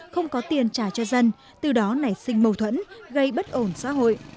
không có tiền trả cho dân từ đó nảy sinh mâu thuẫn gây bất ổn xã hội